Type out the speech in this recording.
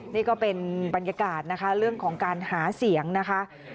นี่ก็เป็นบรรยากาศนะคะเรื่องของการหาเสียงนะคะ